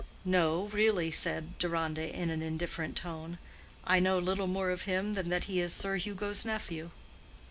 "No, really," said Deronda, in an indifferent tone. "I know little more of him than that he is Sir Hugo's nephew."